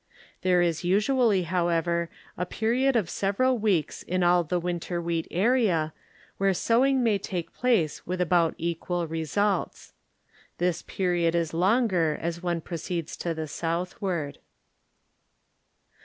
There is usually, however, a period of several weeks in all the winter wheat area where sowing may take place with about equal results. This period is longer as one proceeds to the southward.